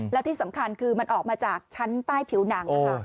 และที่สำคัญคือมันออกมาจากชั้นใต้ผิวหนังนะคะ